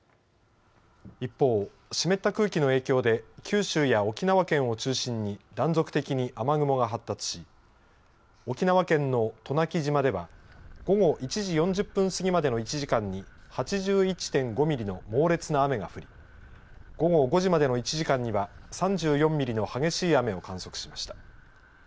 一方、湿った空気の影響で九州や沖縄県を中心に断続的に雨雲が発達し沖縄県の渡名喜島では午後１時４０分過ぎまでの１時間に８１．５ミリの猛烈な雨が降り午後５時までの１時間には３４ミリの激しい雨を観測しました。